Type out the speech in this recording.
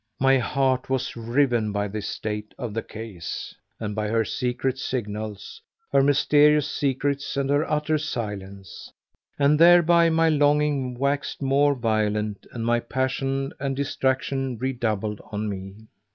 My heart was riven by this state of the case, and by her secret signals, her mysterious secrets and her utter silence; and thereby my longing waxed more violent and my passion and distraction redoubled on me.